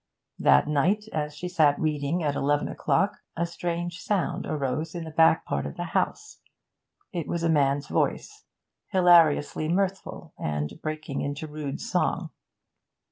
That night, as she sat reading at eleven o'clock, a strange sound arose in the back part of the house; it was a man's voice, hilariously mirthful and breaking into rude song.